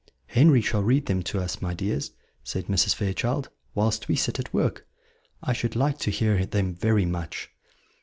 "Henry shall read them to us, my dears," said Mrs. Fairchild, "whilst we sit at work; I should like to hear them very much."